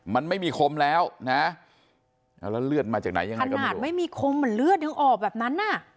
มันไม่มีคมแล้วนะเอาแล้วเลือดมาจากไหนยังไงขนาดไม่มีคมเหมือนเลือดยังออกแบบนั้นอ่ะ